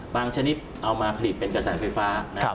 ชนิดเอามาผลิตเป็นกระแสไฟฟ้านะครับ